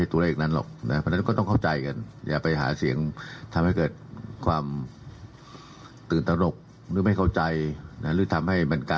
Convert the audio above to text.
ต้องพลังงานเหมือนกันนะคะ